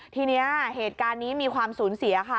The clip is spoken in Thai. ทีนี้เหตุการณ์นี้มีความสูญเสียค่ะ